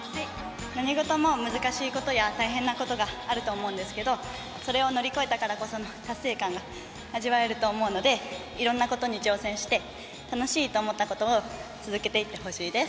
何事も難しいことや大変なことがあると思うんですけどそれを乗り越えたからこその達成感が味わえると思うのでいろんなことに挑戦して楽しいと思ったことを続けていってほしいです。